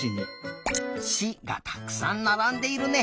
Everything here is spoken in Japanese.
「し」がたくさんならんでいるね。